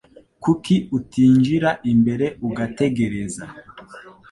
Kuki utinjira imbere ugategereza